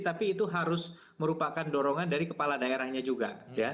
tapi itu harus merupakan dorongan dari kepala daerahnya juga